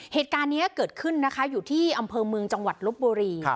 เหตุการณ์นี้เกิดขึ้นนะคะอยู่ที่อำเภอเมืองจังหวัดลบบุรี